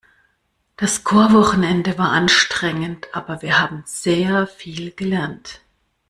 Das Chorwochenende war anstrengend, aber wir haben sehr viel gelernt.